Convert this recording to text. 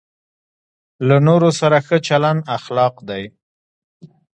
له نورو سره ښه چلند اخلاق دی.